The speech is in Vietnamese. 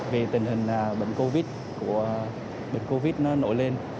vì tình hình bệnh covid nổi lên